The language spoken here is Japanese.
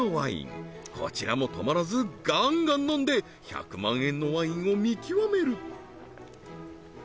こちらも止まらずガンガン飲んで１００万円のワインを見極める